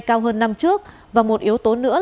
cao hơn năm trước và một yếu tố nữa